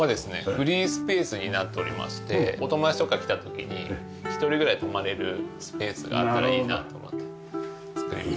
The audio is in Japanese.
フリースペースになっておりましてお友達とか来た時に１人ぐらい泊まれるスペースがあったらいいなと思って造りました。